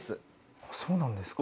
そうなんですか。